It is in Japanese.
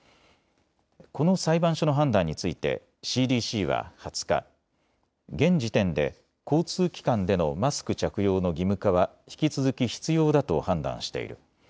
この裁判所の判断についてＣＤＣは２０日、現時点で交通機関でのマスク着用の義務化は引き続き必要だと判断している。